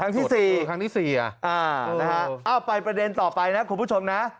ที่สี่ครั้งที่สี่อ่ะอ้านะฮะเอ้าไปประเด็นต่อไปนะคุณผู้ชมน่ะ